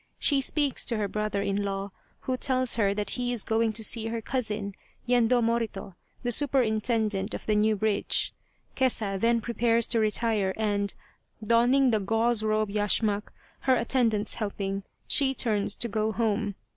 She speaks to her brother in law, who tells her that he is going to see her cousin, Yendo Morito, the superintendent of the new bridge. Kesa then prepares to retire and, donning the gauze robe yash mak, her attendants helping, she turns to go home.